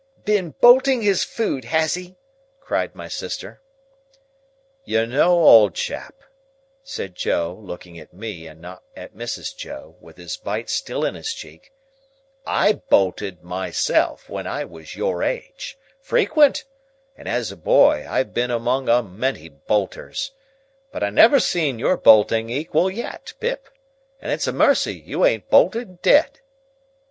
"Been bolting his food, has he?" cried my sister. "You know, old chap," said Joe, looking at me, and not at Mrs. Joe, with his bite still in his cheek, "I Bolted, myself, when I was your age—frequent—and as a boy I've been among a many Bolters; but I never see your Bolting equal yet, Pip, and it's a mercy you ain't Bolted dead."